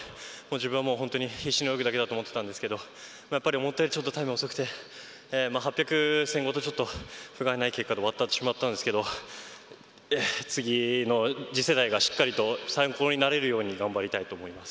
自分は本当に必死に泳ぐだけだと思ってたんですけど思ったより、ちょっとタイムが遅くて８００、１５００とふがいない結果で終わってしまったんですが次の次世代がしっかりと参考になれるように頑張りたいと思います。